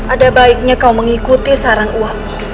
ada baiknya kau mengikuti saran uang